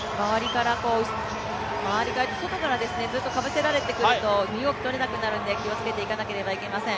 周りが、外からかぶせられていくと見動きとれなくなるので気をつけていかなければいけません。